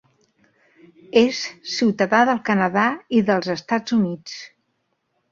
És ciutadà del Canadà i dels Estats Units.